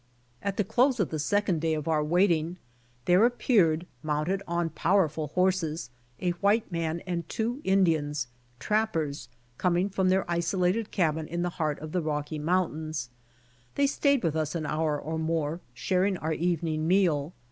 At the close of the second day of our waiting there appeared, mounted on powerful horses, a white man and two Indians, trappers, coming from their isolated cabin in the heart of the Rocky mountains. They staid with us an hour or more, sharing our evening meal.